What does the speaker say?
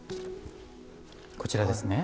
こちらですね。